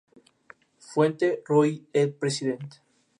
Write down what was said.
Fuente: Roi et President